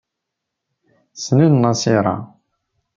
Ssnen Nasiṛa.